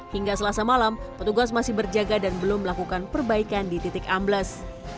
hingga selasa malam petugas masih berjaga dan belum melakukan perbaikan di titik ambles